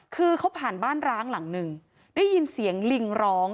คือเขาผ่านบ้านร้างหลังหนึ่งได้ยินเสียงลิงร้อง